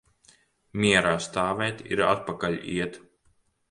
Mierā stāvēt ir atpakaļ iet.